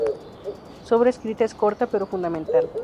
Su obra escrita es corta, pero fundamental.